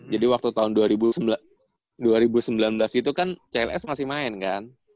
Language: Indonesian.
jadi waktu tahun dua ribu sembilan belas itu kan cls masih main kan